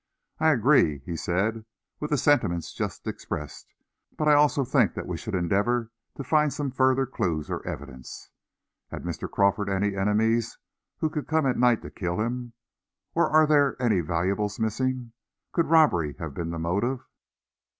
"I agree," he said, "with the sentiments just expressed; but I also think that we should endeavor to find some further clues or evidence. Had Mr. Crawford any enemies who would come at night to kill him? Or are there any valuables missing? Could robbery have been the motive?"